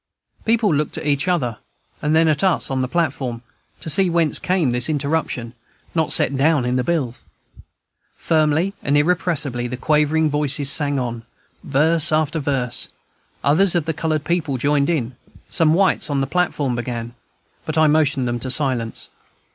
People looked at each other, and then at us on the platform, to see whence came this interruption, not set down in the bills. Firmly and irrepressibly the quavering voices sang on, verse after verse; others of the colored people joined in; some whites on the platform began, but I motioned them to silence.